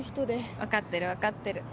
分かってる分かってる。